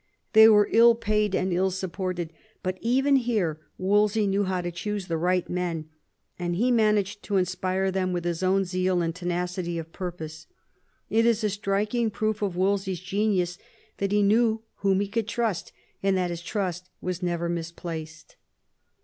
They were ill paid and ill supported ; but even here Wolsey knew how to choose the right men, and he managed to inspire them with his own zeal and tenacity of purpose. It is a striking proof of Wolsey's genius that he knew whom he could trust, and that his trust was never misplaced.